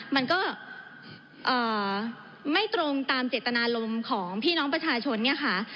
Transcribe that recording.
มันก็ไม่ตรงตามเจตนารมณ์ของพี่น้องประชาชนเนี่ยค่ะ